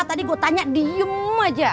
tadi gue tanya diem aja